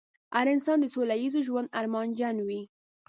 هر انسان د سوله ييز ژوند ارمانجن وي.